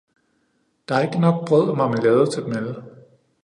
Der er ikke nok brød og marmelade til dem alle.